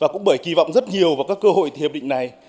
chúng ta kỳ vọng rất nhiều vào các cơ hội hiệp định này